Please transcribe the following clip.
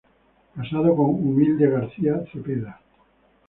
Casado con "Humilde García Zepeda".